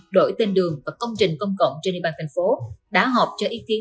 đổi tên đường và công trình công cộng trên địa bàn tp hcm đã họp cho ý kiến